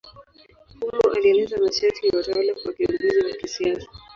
Humo alieleza masharti ya utawala kwa kiongozi wa kisiasa.